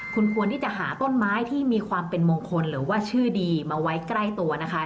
คุณควรที่จะหาต้นไม้ที่มีความเป็นมงคลหรือว่าชื่อดีมาไว้ใกล้ตัวนะคะ